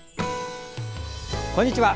こんにちは。